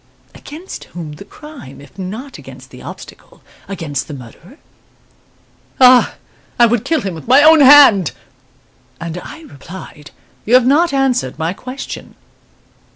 Against whom the crime, if not against the obstacle, against the murderer? 'Ah, I would kill him with my own hand!' And I replied, 'You have not answered my question.